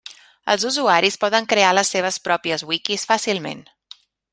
Els usuaris poden crear les seves pròpies wikis fàcilment.